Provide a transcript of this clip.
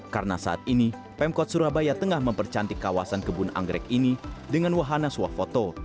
karena saat ini pemkot surabaya tengah mempercantik kawasan kebun anggrek ini dengan wahana swafoto